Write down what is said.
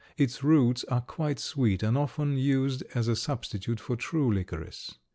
Its roots are quite sweet and often used as a substitute for true licorice.